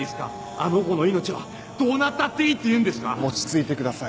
あの子の命はどうなったっていいっていうんですか⁉落ち着いてください。